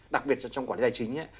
đặc biệt trong quản lý tài chính ấy